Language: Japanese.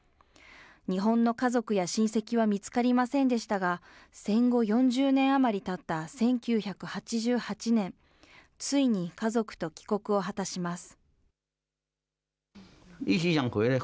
日本の家族や親せきは見つかりませんでしたが、戦後４０年余りたった１９８８年、ついに家族と帰国を果たします。